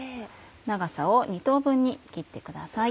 長さを２等分に切ってください。